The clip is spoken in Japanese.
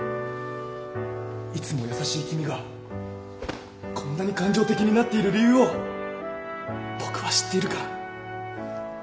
いつも優しい君がこんなに感情的になっている理由を僕は知っているから。